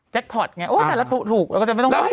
เจ็ดพอร์ตไงโอ้ยแล้วถูกแล้วก็จะไม่ต้องไปหาอะไร